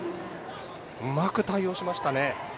うまく対応しましたね。